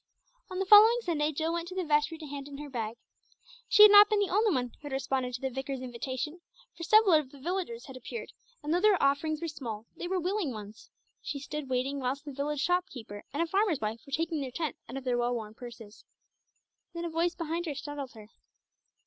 On the following Sunday Jill went to the vestry to hand in her bag. She had not been the only one who had responded to the vicar's invitation, for several of the villagers had appeared, and though their offerings were small, they were willing ones. She stood waiting whilst the village shopkeeper and a farmer's wife were taking their tenth out of their well worn purses. Then a voice behind her startled her.